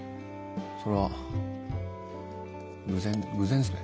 それは偶然偶然ですね。